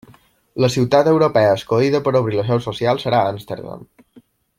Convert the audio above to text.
La ciutat europea escollida per obrir la seu social serà Amsterdam.